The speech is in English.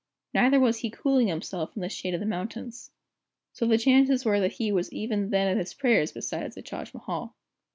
Neither was he cooling himself in the shade of the mountains. So the chances were that he was even then at his prayers beside the Taj Mahal.